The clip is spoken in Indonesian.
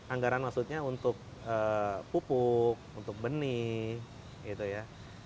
anggaran maksudnya untuk pupuk untuk benih gitu ya